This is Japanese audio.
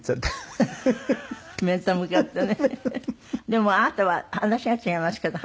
でもあなたは話が違いますけど。